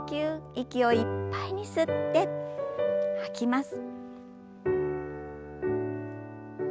息をいっぱいに吸って吐きます。